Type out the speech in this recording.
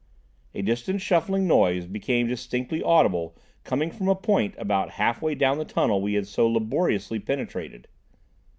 A distant shuffling noise became distinctly audible coming from a point about half way down the tunnel we had so laboriously penetrated.